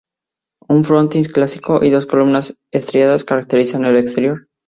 Un frontis clásico y dos columnas estriadas caracterizan el exterior.